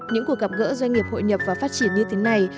những cuộc gặp gỡ doanh nghiệp hội nhập và phát triển như thế này